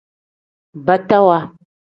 Batawa.